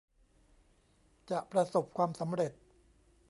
จะประสบความสำเร็จ